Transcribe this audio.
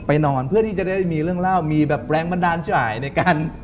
นอนเพื่อที่จะได้มีเรื่องเล่ามีแบบแรงบันดาลฉายในการ